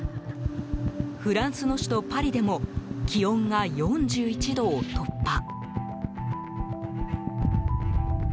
フランスの首都パリでも気温が４１度を突破。